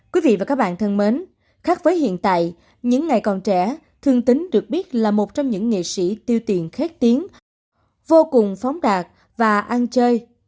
quý vị và các bạn thân mến khác với hiện tại những ngày còn trẻ thương tính được biết là một trong những nghệ sĩ tiêu tiền khét tiếng vô cùng phóng đạt và ăn chơi